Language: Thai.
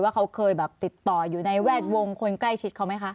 เขาเคยแบบติดต่ออยู่ในแวดวงคนใกล้ชิดเขาไหมคะ